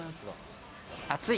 暑い。